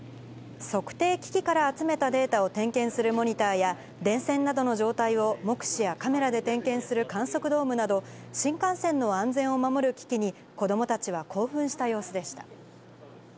測定機器から集めたデータを点検するモニターや、電線などの状態を目視やカメラで点検する観測ドームなど、新幹線の安全を守る機器に、子どもたちは興奮した様子でした。